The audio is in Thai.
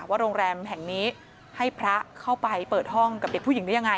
โรงแรมแห่งนี้ให้พระเข้าไปเปิดห้องกับเด็กผู้หญิงได้ยังไง